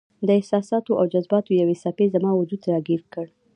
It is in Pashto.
د احساساتو او جذباتو یوې څپې زما وجود راګیر کړ.